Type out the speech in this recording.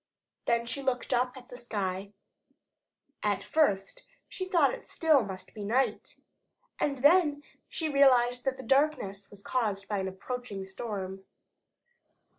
Then she looked up at the sky. At first she thought it must still be night, and then she realized that the darkness was caused by an approaching storm.